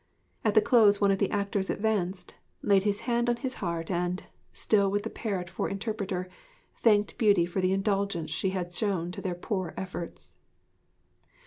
At the close one of the actors advanced, laid his hand on his heart and still with the parrot for interpreter thanked Beauty for the indulgence she had shown to their poor efforts.